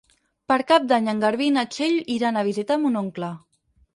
Per Cap d'Any en Garbí i na Txell iran a visitar mon oncle.